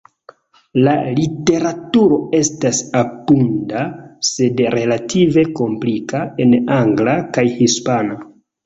La literaturo estas abunda sed relative komplika, en angla kaj hispana.